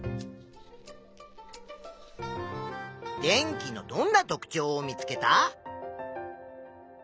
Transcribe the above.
電気のどんな特ちょうを見つけた？